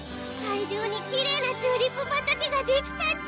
いじょうにきれいなチューリップばたけができたち！